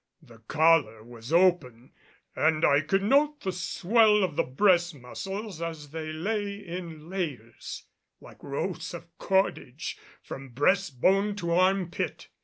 The collar was open and I could note the swell of the breast muscles as they lay in layers like rows of cordage from breastbone to arm pit.